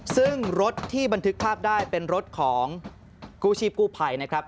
ซึ่งรถที่บันทึกภาพได้เป็นรถของกู้ชีพกู้ภัยนะครับ